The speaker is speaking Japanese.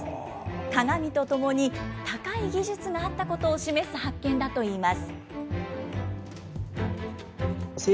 鏡とともに、高い技術があったことを示す発見だといいます。